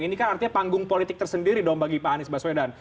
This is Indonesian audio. ini kan artinya panggung politik tersendiri dong bagi pak anies baswedan